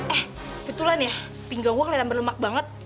eh kebetulan ya pinggang gue kelihatan berlemak banget